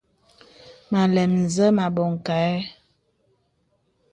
Mə àlɛm zé mə̀ àbɔŋ kâ ɛ.